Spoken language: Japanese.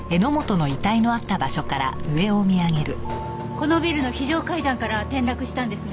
このビルの非常階段から転落したんですね？